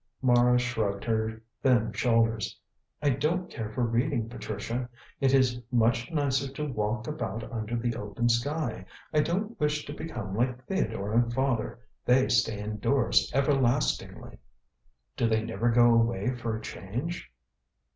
Mara shrugged her thin shoulders. "I don't care for reading, Patricia. It is much nicer to walk about under the open sky. I don't wish to become like Theodore and father. They stay indoors everlastingly." "Do they never go away for a change?"